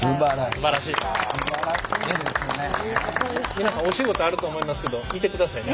皆さんお仕事あると思いますけど見てくださいね。